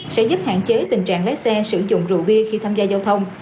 sẽ giúp hạn chế tình trạng lái xe sử dụng rượu bia khi tham gia giao thông